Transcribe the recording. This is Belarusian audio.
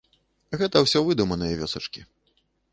Гэта ўсё выдуманыя вёсачкі.